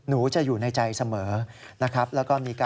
คุณผู้ชมครับเรื่องนี้นะครับเราก็ไปสอบถามทีมแพทย์ของโรงพยาบาลวานอนนิวาด